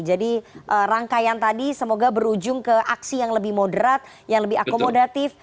jadi rangkaian tadi semoga berujung ke aksi yang lebih moderat yang lebih akomodatif